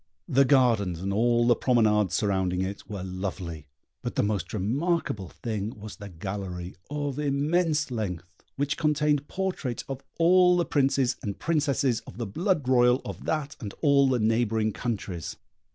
The gardens and all the promenades surrounding it were lovely, but the most remarkable thing was the gallery, of immense length, which contained portraits of all the princes and princesses of the blood royal of that and all the neighbouring countries.